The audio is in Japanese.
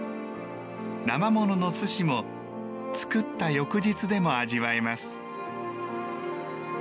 生ものの寿司も作った翌日でも味わえます。